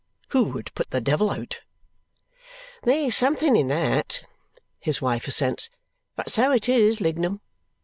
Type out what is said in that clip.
Who would put the devil out." "There's something in that," his wife assents; "but so it is, Lignum."